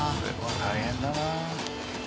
大変だな。